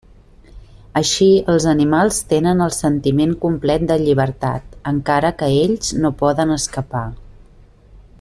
Així els animals tenen el sentiment complet de llibertat, encara que ells no poden escapar.